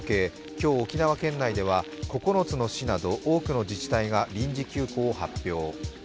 今日沖縄県内では９つの市など多くの自治体が臨時休校を発表。